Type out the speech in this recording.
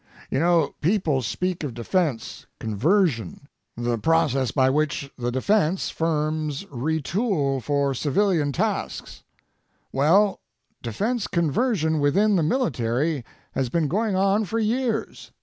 You know, people speak of defense conversion, the process by which the defense firms retool for civilian tasks. Well, defense conversion within the military has been going on for years.